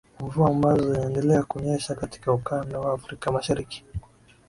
mvua ambazo zinaendelea kunyesha katika ukanda wa afrika mashariki